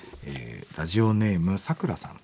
ラジオネームサクラさん。